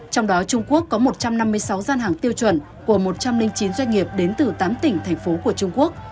trong đó trung quốc có một trăm năm mươi sáu gian hàng tiêu chuẩn của một trăm linh chín doanh nghiệp đến từ tám tỉnh thành phố của trung quốc